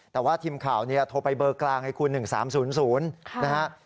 แต่ว่าทีมข่าวโทรไปเบอร์กลางให้คุณ๑๓๐๐นะฮะ